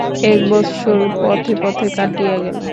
এক বৎসর পথে পথে কাটিয়া গেল।